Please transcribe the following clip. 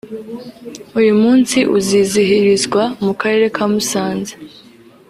uyu munsi uzizihirizwa mu Karere ka Musanze